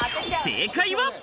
正解は。